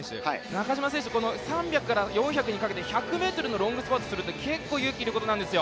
中島選手３００から４００にかけて１００ｍのロングスパートは結構、勇気がいることなんです。